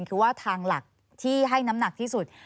คือว่าทางหลักที่ให้น้ำหนักที่สุด